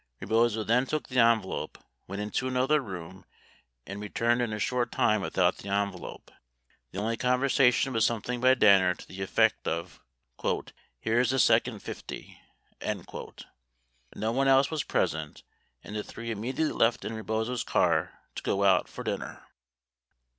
Rebozo then took the en velope, went into another room, and returned in a short time without the envelope. The only conversation was something by Danner to the effect of "here's the second 50." No one else was present and the three immediately left in Rebozo's car to go out for dinner.